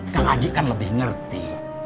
kakak ajik kan lebih ngerti